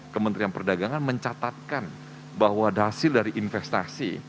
kementerian perdagangan mencatatkan bahwa hasil dari investasi